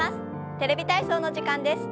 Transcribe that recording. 「テレビ体操」の時間です。